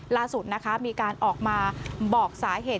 ล่าสุดนะคะมีการออกมาบอกสาเหตุ